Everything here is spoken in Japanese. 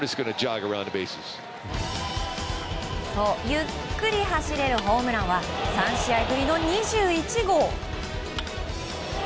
ゆっくり走れるホームランは３試合ぶりの２１号。